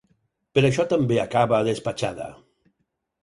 Per això també acaba despatxada.